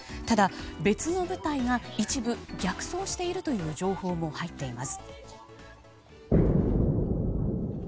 ただ、別の部隊が一部逆走しているという情報も入っています。